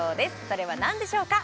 それは何でしょうか